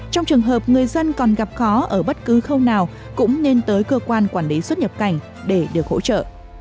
trong trường hợp người dân còn gặp khó ở bất cứ khâu nào cũng nên tới cơ quan quản lý xuất nhập cảnh để được hỗ trợ